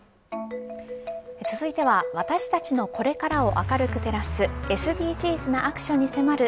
続いては私たちのこれからを明るく照らすＳＤＧｓなアクションに迫る＃